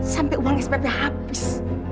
sampai uang spp habis